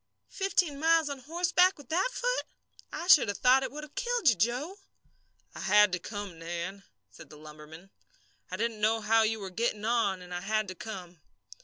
"Fifteen miles on horseback with that foot? I should have thought it would have killed you, Joe." "I had to come, Nan," said the lumberman. "I didn't know how you were getting on, and I had to come."